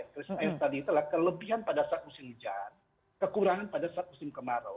krisis air tadi itu adalah kelebihan pada saat musim hujan kekurangan pada saat musim kemarau